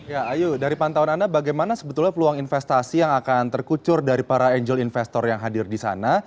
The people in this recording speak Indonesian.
ya ayu dari pantauan anda bagaimana sebetulnya peluang investasi yang akan terkucur dari para angel investor yang hadir di sana